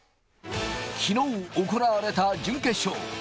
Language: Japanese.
きのう行われた準決勝。